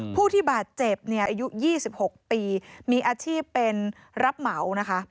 ผู้ที่บาดเจ็บเนี่ยอายุ๒๖ปีมีอาชีพเป็นรับเหมานะคะ